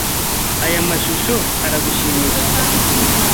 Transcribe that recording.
Aya mashusho aragushimishije?